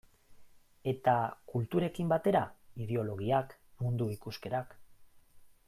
Eta kulturekin batera ideologiak, mundu ikuskerak...